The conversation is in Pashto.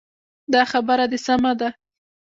دا خبره دې سمه ده.